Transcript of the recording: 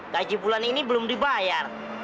gaji bulan ini belum dibayar